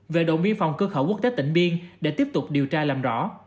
về độ miên phòng cơ khẩu quốc tế tỉnh biên để tiếp tục điều tra làm rõ